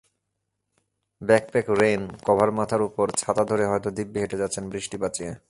Backpack rain কভারমাথার ওপর ছাতা ধরে হয়তো দিব্যি হেঁটে যাচ্ছেন বৃষ্টি বাঁচিয়ে।